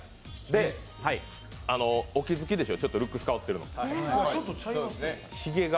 お気づきでしょう、ちょっとルックス変わってるの？